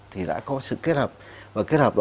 thì đã có sự kết hợp